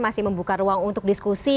masih membuka ruang untuk diskusi